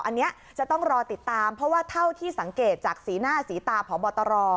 อันนี้จะต้องรอติดตามเพราะว่าเท่าที่สังเกตจากสีหน้าสีตาพบตร